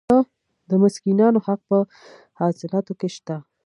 د مسکینانو حق په حاصلاتو کې شته.